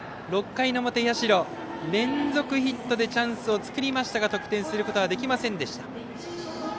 ６回の表、社連続ヒットでチャンスを作りましたが得点することはできませんでした。